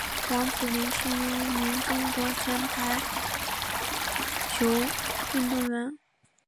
王子凌是一名中国前排球运动员。